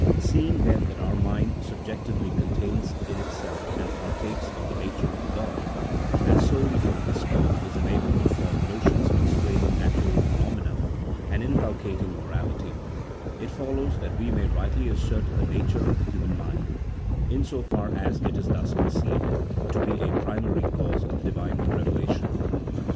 Seeing then that our mind subjectively contains in itself and partakes of the nature of God, and solely from this cause is enabled to form notions explaining natural pheno mena and inculcating morality, it follows that we may rightly assert the nature of the human mind (in so far as it is thus conceived) to be a primary cause of Divine reve lation.